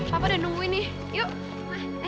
papa udah nungguin nih